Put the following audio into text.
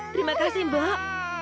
terima kasih mbak